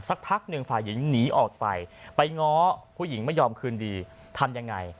สักพักหนึ่งฝ่ายหญิงหนีออกไปไปง้อผู้หญิงไม่ยอมคืนดีทำยังไง